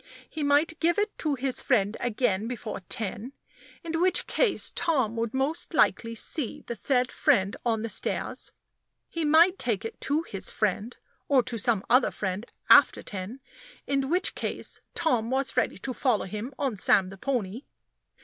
He might give it to his friend again before ten in which case Tom would most likely see the said friend on the stairs. He might take it to his friend, or to some other friend, after ten in which case Tom was ready to follow him on Sam the pony.